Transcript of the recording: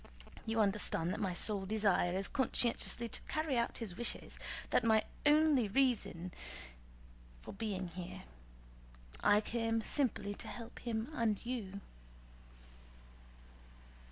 You understand that my sole desire is conscientiously to carry out his wishes; that is my only reason for being here. I came simply to help him and you."